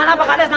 gimana pak kades